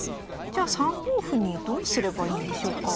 じゃあ３五歩にどうすればいいんでしょうか？